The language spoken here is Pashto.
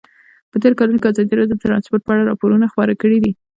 په تېرو کلونو کې ازادي راډیو د ترانسپورټ په اړه راپورونه خپاره کړي دي.